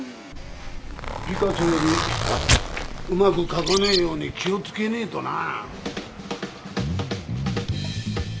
ピカソよりうまく描かないように気を付けねえとなぁ。